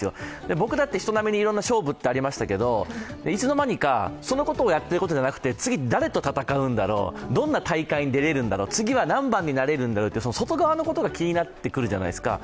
僕だって人並みにいろんな勝負ってありましたけどいつのまにかそのことをやっていることじゃなくて、次、誰と戦うんだろう、どんな大会に出れるんだろう、次は何番になれるんだろう、外側のことが気になってくるじゃないですか。